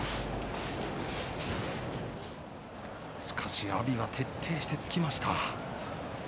しかし阿炎が徹底して突きました。